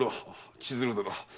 千鶴殿。